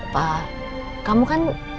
pak kamu kan